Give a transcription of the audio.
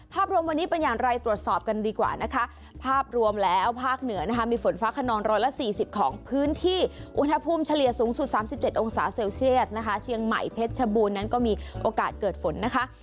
รวมวันนี้เป็นอย่างไรตรวจสอบกันดีกว่านะคะภาพรวมแล้วภาคเหนือนะคะมีฝนฟ้าขนองร้อยละ๔๐ของพื้นที่อุณหภูมิเฉลี่ยสูงสุด๓๗องศาเซลเซียสนะคะเชียงใหม่เพชรชบูรณนั้นก็มีโอกาสเกิดฝนนะคะ